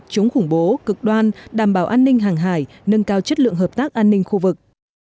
chống khủng bố cực đoan đảm bảo an ninh hàng hải nâng cao chất lượng hợp tác an ninh khu vực